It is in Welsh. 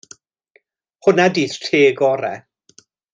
Hwnna 'di'r te gorau.